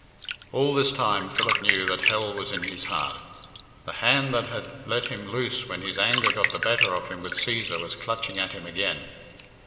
All this time Philip knew that hell was in his heart. The hand that had let him loose when his anger got the better of him with Cæsar was clutching at him again.